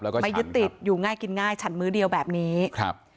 แล้วก็ไม่ยึดติดอยู่ง่ายกินง่ายฉันมื้อเดียวแบบนี้ครับ